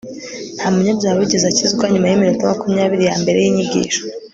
nta munyabyaha wigeze akizwa nyuma yiminota makumyabiri yambere yinyigisho